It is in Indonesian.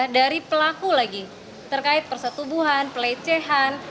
dari pelaku lagi terkait persetubuhan pelecehan